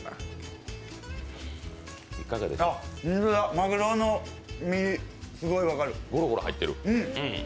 マグロの身、すごい分かる。